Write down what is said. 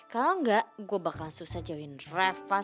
kalau enggak gue bakalan susah jauhin revas